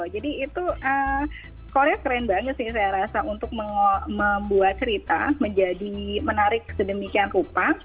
jadi itu korea keren banget sih saya rasa untuk membuat cerita menjadi menarik sedemikian rupa